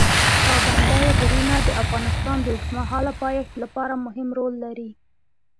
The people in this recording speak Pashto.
پابندی غرونه د افغانستان د اوږدمهاله پایښت لپاره مهم رول لري.